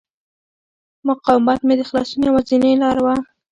مقاومت مې د خلاصون یوازینۍ لاره وه.